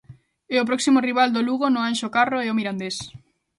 E o próximo rival do Lugo no Anxo Carro é o Mirandés.